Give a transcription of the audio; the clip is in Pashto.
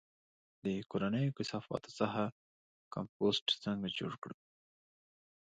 د کورنیو کثافاتو څخه کمپوسټ څنګه جوړ کړم؟